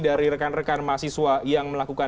dari rekan rekan mahasiswa yang melakukan